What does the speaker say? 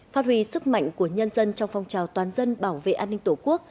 phát huy sức mạnh của nhân dân trong phong trào toàn dân bảo vệ an ninh tổ quốc